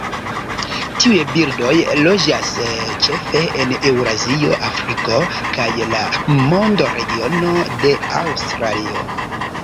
Tiuj birdoj loĝas ĉefe en Eŭrazio, Afriko kaj la mondoregiono de Aŭstralio.